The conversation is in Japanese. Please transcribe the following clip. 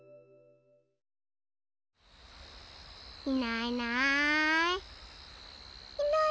いないいない。